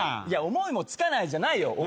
いや「思いも付かない」じゃないよ